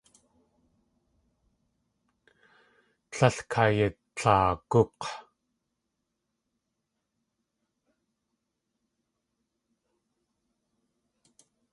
Líl kayitlaagúk̲!